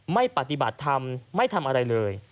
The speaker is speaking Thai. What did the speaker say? ไม่ปฏิบัติธรรมไม่ทำอะไรเลย